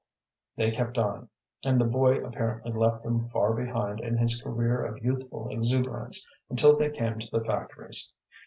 They kept on, and the boy apparently left them far behind in his career of youthful exuberance, until they came to the factories.